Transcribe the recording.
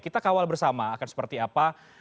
kita kawal bersama akan seperti apa